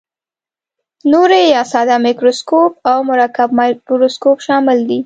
نوري یا ساده مایکروسکوپ او مرکب مایکروسکوپ شامل دي.